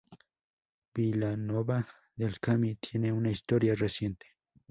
Vilanova del Camí tiene una historia reciente.